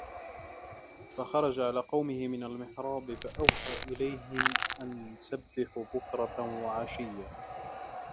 فَخَرَجَ عَلَى قَوْمِهِ مِنَ الْمِحْرَابِ فَأَوْحَى إِلَيْهِمْ أَنْ سَبِّحُوا بُكْرَةً وَعَشِيًّا